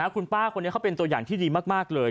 คุณป้าคนนี้เขาเป็นตัวอย่างที่ดีมากเลย